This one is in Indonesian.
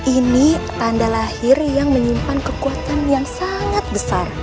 ini tanda lahir yang menyimpan kekuatan yang sangat besar